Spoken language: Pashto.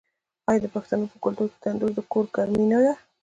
آیا د پښتنو په کلتور کې تندور د کور ګرمي نه ده؟